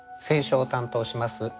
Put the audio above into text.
選書を担当します